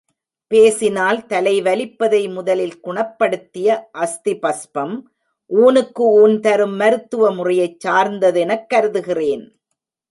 பேசினால் தலைவலிப்பதை முதலில் குணப்படுத்திய அஸ்தி பஸ்பம், ஊனுக்கு ஊன் தரும் மருத்துவ முறையைச் சார்ந்ததெனக் கருதுகிறேன்.